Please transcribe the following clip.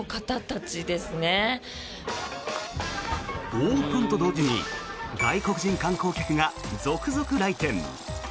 オープンと同時に外国人観光客が続々と来店。